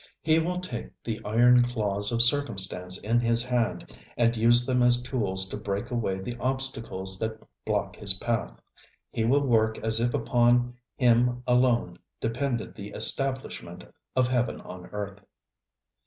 He will take the iron claws of circumstance in his hand and use them as tools to break away the obstacles that block his path. He will work as if upon him alone depended the establishment of heaven on earth.